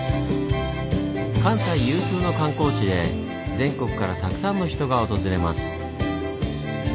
関西有数の観光地で全国からたくさんの人が訪れます。